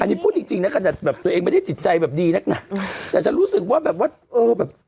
อันนี้พูดจริงแต่ตัวเองไม่ได้ติดใจแบบดีนักหนักแต่ฉันรู้สึกว่าแบบว่า